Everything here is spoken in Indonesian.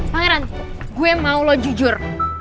pangeran gue mau lo jujur